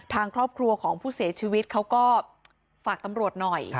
ทางครอบครัวของผู้เสียชีวิตเขาก็ฝากตำรวจหน่อย